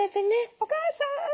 お母さん！